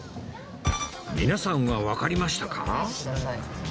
皆さんはわかりましたか？